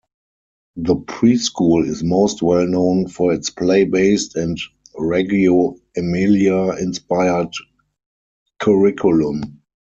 The Preschool is most well known for its play-based and Reggio Emilia-inspired curriculum.